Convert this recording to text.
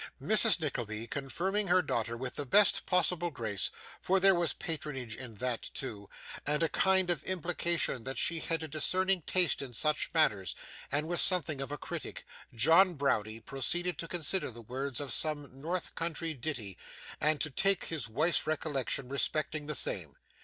Mrs. Nickleby confirming her daughter with the best possible grace for there was patronage in that too, and a kind of implication that she had a discerning taste in such matters, and was something of a critic John Browdie proceeded to consider the words of some north country ditty, and to take his wife's recollection respecting the same.